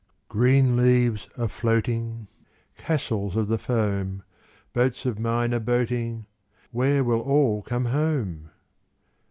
Green leaves a floating, Castles of the foam, Boats of mine a boating— Where will all come home?